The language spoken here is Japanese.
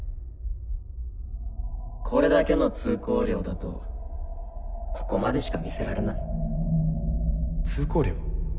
これだけの通行料だとここまでしか見せられない通行料？